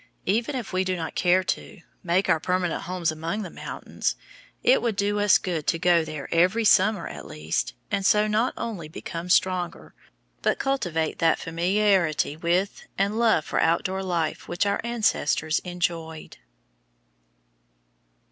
Even if we do not care to, make our permanent homes among the mountains, it would do us good to go there every summer at least, and so not only become stronger, but cultivate that familiarity with and love for outdoor life which our ancestors enjoyed.